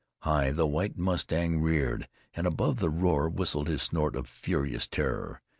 High the White Mustang reared, and above the roar whistled his snort of furious terror.